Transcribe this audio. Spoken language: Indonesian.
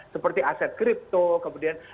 seperti aset crypto kemudian